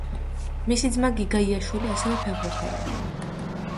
მისი ძმა გიგა იაშვილი ასევე ფეხბურთელია.